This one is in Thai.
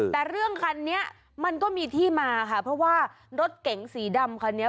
แต่เรื่องคันนี้มันก็มีที่มาค่ะเพราะว่ารถเก๋งสีดำคันนี้